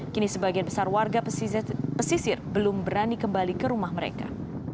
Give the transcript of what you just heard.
kini sebagian besar warga pesisir belum berani kembali ke rumah mereka